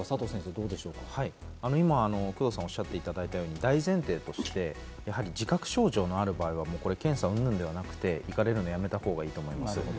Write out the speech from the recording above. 工藤さんがおっしゃっていただいたように大前提として自覚症状がある場合は検査云々ではなく、行かれるのはやめたほうがいいです。